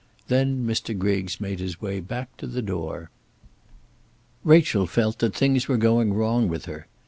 Then Mr. Griggs made his way back to the door. Rachel felt that things were going wrong with her.